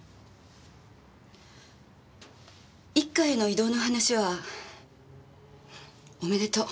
一課への異動の話はおめでとう。